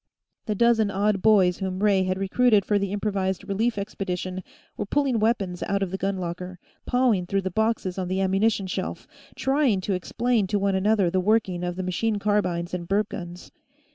The dozen odd boys whom Ray had recruited for the improvised relief expedition were pulling weapons out of the gun locker, pawing through the boxes on the ammunition shelf, trying to explain to one another the working of machine carbines and burp guns.